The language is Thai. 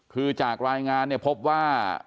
คือจากรายงานพบว่า